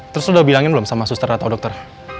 terus lo udah bilangin belum sama suster atau dokter